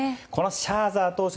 このシャーザー投手